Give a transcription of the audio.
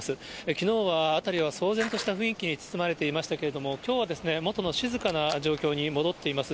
きのうは辺りは騒然とした雰囲気に包まれていましたけれども、きょうは元の静かな状況に戻っています。